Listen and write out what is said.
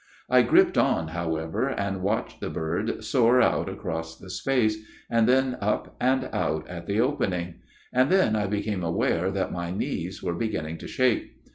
I gripped on, however, and watched the bird soar out across space, and then up and out at the opening ; and then I be came aware that my knees were beginning to shake.